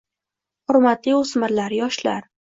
Hurmatli o'smirlar, yoshlar!